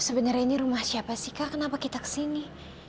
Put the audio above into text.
sebenarnya ini rumah siapa sih kak kenapa kita kesini